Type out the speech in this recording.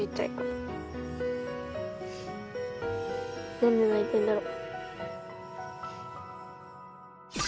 何で泣いてんだろう。